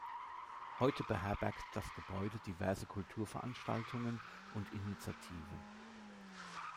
Heute beherbergt das Gebäude diverse Kulturveranstaltungen und -initiativen.